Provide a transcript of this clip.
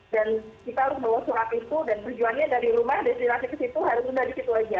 dan kita harus mengulung surat itu dan tujuannya dari rumah dari sini sampai ke situ harus dari situ aja